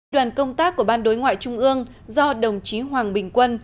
đoàn công tác của ban đối ngoại trung ương do đồng chí hoàng bình quân